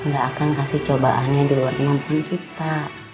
gak akan kasih cobaannya di luar kemampuan kita